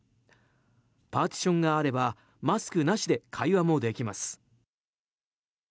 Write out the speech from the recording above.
パーティションがあればマスクなしで会話もできます。